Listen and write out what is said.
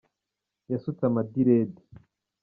Yasutse amadiredi.